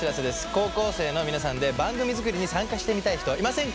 高校生の皆さんで番組作りに参加してみたい人いませんか？